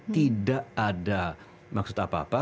tidak ada maksud apa apa